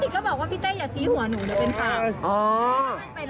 แต่ว่าถ้าข้างมีการชี้มะ